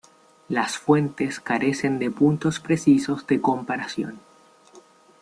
Las fuentes carecen de puntos precisos de comparación.